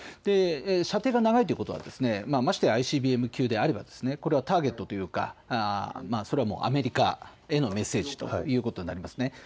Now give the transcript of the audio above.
射程が長いということはましてやＩＣＢＭ級であればこれはターゲットというかアメリカへのメッセージということになります。